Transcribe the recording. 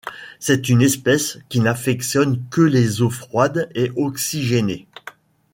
C'est une espèce qui n'affectionne que les eaux froides et oxygénées.